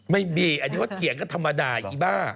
ไม่มีอันนี้เขาเถียงกันธรรมดาอีบ้า